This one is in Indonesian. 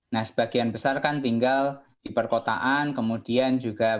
nah sebagian besar kan tinggal di perkotaan kemudian juga